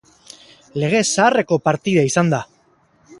Lege zaharreko partida izan da.